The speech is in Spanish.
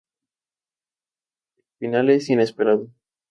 El final es inesperado.